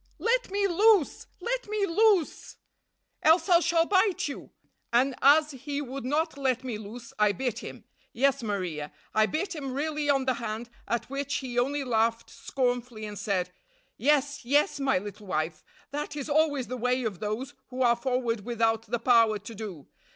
Let me loose! Let me loose, else I shall bite you!' And as he would not let me loose I bit him. Yes, Maria, I bit him really on the hand, at which he only laughed scornfully and said: 'Yes, yes, my little wife, that is always the way of those who are forward without the power to do.